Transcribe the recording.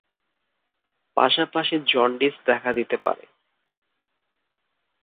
পাশাপাশি জন্ডিস দেখা দিতে পারে।